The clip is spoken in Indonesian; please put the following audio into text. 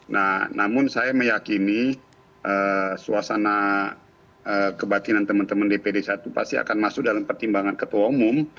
nah namun saya meyakini suasana kebatinan teman teman dpd satu pasti akan masuk dalam pertimbangan ketua umum